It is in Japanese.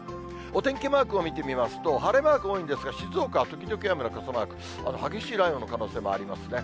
お天気マークを見てみますと、晴れマーク多いんですが、静岡は時々雨の傘マーク、激しい雷雨の可能性もありますね。